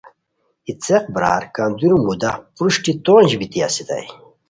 ای څیق برار کندوری مودا پروشٹی تونج بیتی استائے